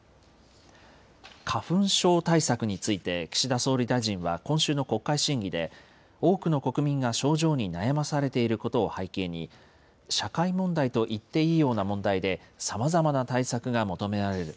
花粉症対策について、岸田総理大臣は今週の国会審議で、多くの国民が症状に悩まされていることを背景に、社会問題と言っていいような問題で、さまざまな対策が求められる。